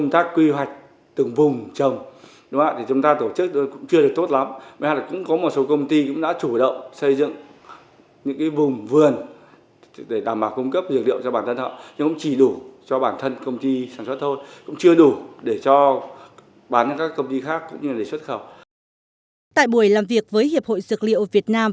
tại buổi làm việc với hiệp hội dược liệu việt nam